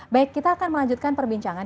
baik kita akan melanjutkan perbincangan